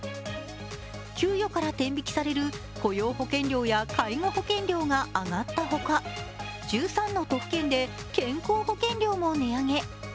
給与から天引きされる雇用保険料や介護保険料が上がったほか１３の都府県で健康保険料も値上げ。